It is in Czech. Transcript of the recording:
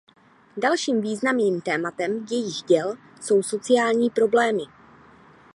Dalším výrazným tématem jejích děl jsou sociální problémy.